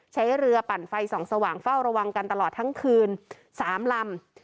ใช้เรือปั่นไฟส่องสว่างเฝ้าระวังกันตลอดทั้งคืน๓ลำ